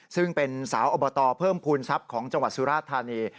ซึ่งเป็นสาวอบตเพิ่มภูมิทรัพย์ของจังหวัดสุราธานี